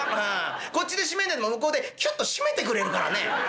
こっちで締めねえでも向こうでキュッと締めてくれるからね」。